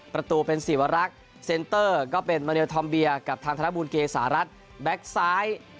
ประตูเป็นสีวรักษ์เซ็นเตอร์ก็เป็นมาเนียลทอมเบียกับทางธนบูลเกษารัฐแบ็คซ้าย